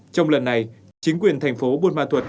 trong lần này chính quyền thành phố buôn ma thuật